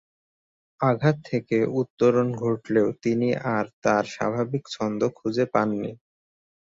আঘাত থেকে উত্তরণ ঘটলেও তিনি আর তার স্বাভাবিক ছন্দ খুঁজে পাননি।